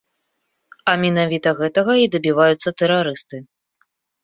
А менавіта гэтага і дабіваюцца тэрарысты.